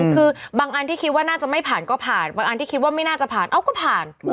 คือบางอันที่คิดว่าน่าจะไม่ผ่านก็ผ่านบางอันที่คิดว่าไม่น่าจะผ่านเอ้าก็ผ่าน